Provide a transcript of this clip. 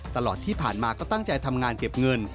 ตลอดที่ผ่านมาก็ตั้งใจทำงานเก็บเงิน